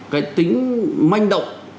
cái tính manh động